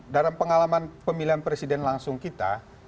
dalam pengalaman pemilihan presiden langsung kita